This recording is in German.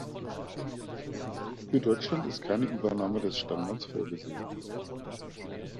Für Deutschland ist keine Übernahme des Standards vorgesehen.